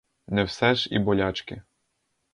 Не все ж і болячки!